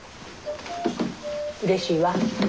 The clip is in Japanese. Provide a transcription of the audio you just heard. うれしいわ。